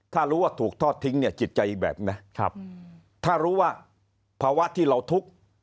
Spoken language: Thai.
ถ้ารู้ว่าถูกทอดทิ้งเนี่ยจิตใจแบบนะถ้ารู้ว่าภาวะที่เราทุกข์